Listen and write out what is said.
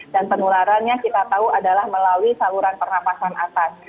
dan penularannya kita tahu adalah melalui saluran pernafasan atas